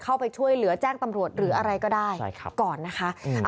เข้าไปช่วยเหลือแจ้งตำรวจหรืออะไรก็ได้ก่อนนะคะ